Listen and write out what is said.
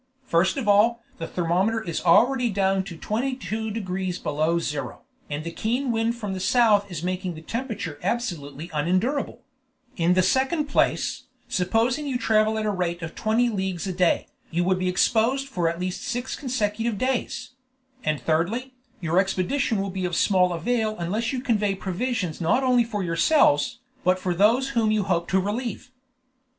First of all, the thermometer is already down to 22 degrees below zero, and the keen wind from the south is making the temperature absolutely unendurable; in the second place, supposing you travel at the rate of twenty leagues a day, you would be exposed for at least six consecutive days; and thirdly, your expedition will be of small avail unless you convey provisions not only for yourselves, but for those whom you hope to relieve."